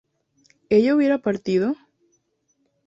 ¿ellas hubieron partido?